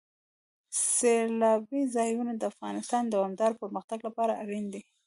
سیلانی ځایونه د افغانستان د دوامداره پرمختګ لپاره اړین دي.